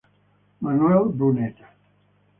Manuel Brunet